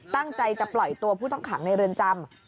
ตั้งใจจะปล่อยตัวผู้ต้องขังในเรือนจำ